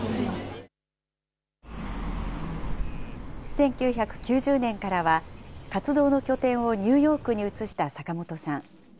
１９９０年からは、活動の拠点をニューヨークに移した坂本さん。